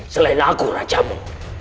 selain aku rajamu